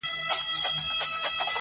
و خاوند لره پیدا یې ورک غمی سو-